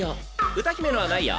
歌姫のはないよ。